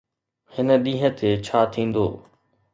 هن ڏينهن تي ڇا ٿيندو؟